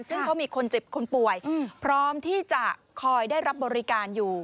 ซึ่งเขามีคนเจ็บคนป่วยพร้อมที่จะคอยได้รับบริการอยู่